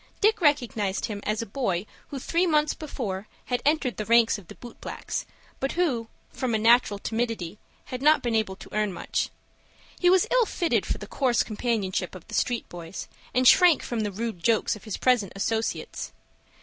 Dick recognized him as a boy who three months before had entered the ranks of the boot blacks, but who, from a natural timidity, had not been able to earn much. He was ill fitted for the coarse companionship of the street boys, and shrank from the rude jokes of his present associates.